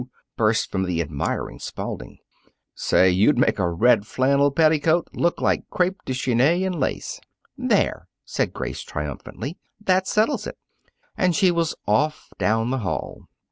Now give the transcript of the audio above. burst from the admiring Spalding. "Say, you'd make a red flannel petticoat look like crepe de Chine and lace." "There!" said Grace, triumphant. "That settles it!" And she was off down the hall.